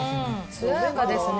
つややかですね。